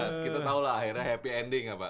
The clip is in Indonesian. sekitu tahu lah akhirnya happy ending ya pak